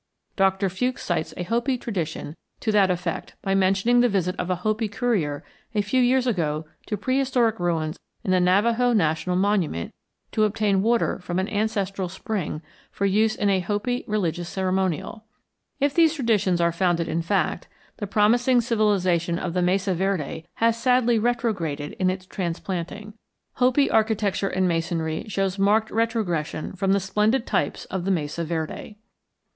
Doctor Fewkes cites a Hopi tradition to that effect by mentioning the visit of a Hopi courier a few years ago to prehistoric ruins in the Navajo National Monument to obtain water from an ancestral spring for use in a Hopi religious ceremonial. If these traditions are founded in fact, the promising civilization of the Mesa Verde has sadly retrograded in its transplanting. Hopi architecture and masonry shows marked retrogression from the splendid types of the Mesa Verde.